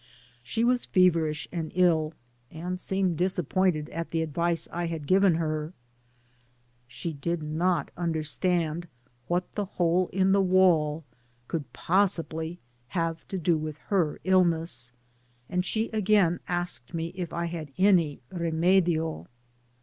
She was feverish and ill, and seemed disappointed at the advice I had given her Hshe did not understand what the hole in the wall could possibly have to do with her illness, and she again asked me if I had any ^^ rem^io.